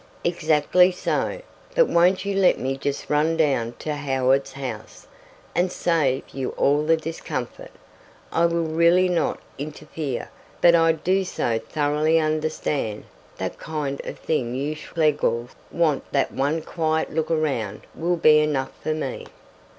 "Exactly so. But won't you let me just run down to Howards House, and save you all the discomfort? I will really not interfere, but I do so thoroughly understand the kind of thing you Schlegels want that one quiet look round will be enough for me."